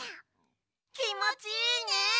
きもちいいね！